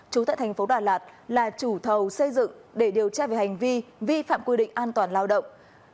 chú tại tp đà lạt là chủ thầu xây dựng để điều tra về hành vi vi phạm quy định an toàn lao động